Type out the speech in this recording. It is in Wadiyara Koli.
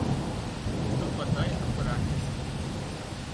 تو ٻڌانئي هپ راکي سي